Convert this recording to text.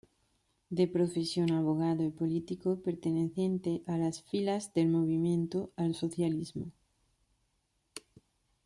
De profesión abogado y político perteneciente a las filas del Movimiento al Socialismo.